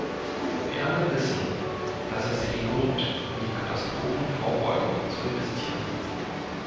Wir alle wissen, dass es sich lohnt, in die Katastrophenvorbeugung zu investieren.